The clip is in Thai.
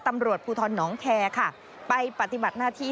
ตำรวจภูทรน้องแคร์ค่ะไปปฏิบัติหน้าที่